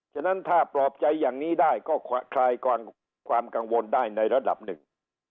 ฉะนั้นถ้าปลอบใจอย่างนี้ได้ก็คลายความกังวลได้ในระดับหนึ่ง